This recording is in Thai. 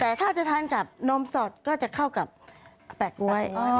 แต่ถ้าจะทานกับนมสดก็จะเข้ากับแปะก๊วย